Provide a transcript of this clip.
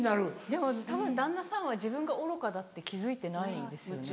でもたぶん旦那さんは自分が愚かだって気付いてないんですよね？